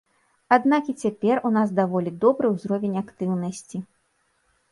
Аднак і цяпер у нас даволі добры ўзровень актыўнасці.